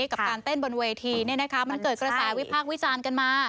กับการเต้นบนเวทีนี่นะคะมันเกิดกระสายวิภาควิจารณ์กันมา